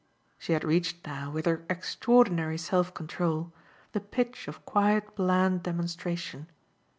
She had reached now, with her extraordinary self control, the pitch of quiet bland demonstration.